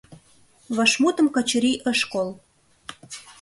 Вашмутым Качырий ыш кол.